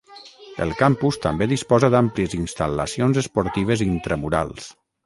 El campus també disposa d'àmplies instal·lacions esportives intramurals.